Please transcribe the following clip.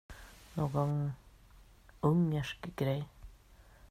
Någon ungersk grej.